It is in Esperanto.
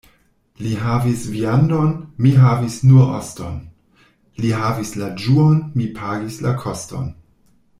Li havis viandon, mi havis nur oston — li havis la ĝuon, mi pagis la koston.